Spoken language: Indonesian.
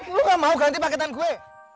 lo gak mau ganti paketan gue